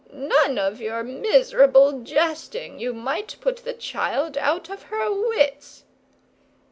"None of your miserable jesting! You might put the child out of her wits."